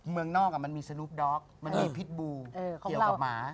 เมืองนอกมันมีสรูปดอกมันมีพิษบูเกี่ยวกับหมา